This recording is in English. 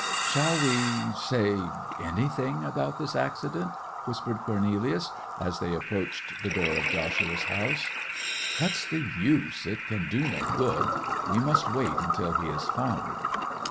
'Shall we—say anything about this accident?' whispered Cornelius as they approached the door of Joshua's house. 'What's the use? It can do no good. We must wait until he is found.